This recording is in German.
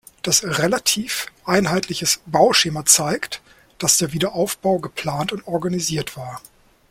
Das relativ einheitliches Bauschema zeigt, dass der Wiederaufbau geplant und organisiert war.